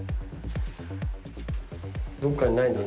どっかにないの？